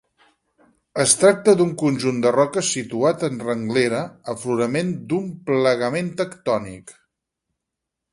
Es tracta d'un conjunt de roques situat en renglera, aflorament d'un plegament tectònic.